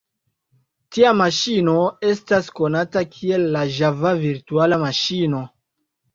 Tia maŝino estas konata kiel la Java Virtuala Maŝino.